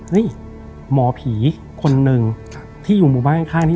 เฮ้ยหมอผีคนนึงที่อยู่บ้านข้าง